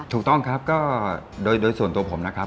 ถูกต้องครับก็โดยส่วนตัวผมนะครับ